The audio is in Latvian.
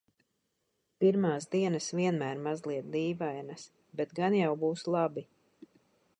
Pirmās dienas vienmēr mazliet dīvainas, bet gan jau būs labi.